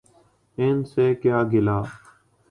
ان سے کیا گلہ۔